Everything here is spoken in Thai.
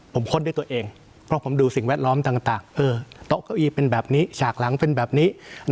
ผมค้นด้วยตัวเองเพราะผมดูสิ่งแวดล้อมต่างโต๊ะเก้าอี้เป็นแบบนี้ฉากหลังเป็นแบบนี้